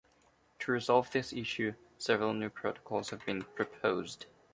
To resolve this issue, several new protocols have been proposed.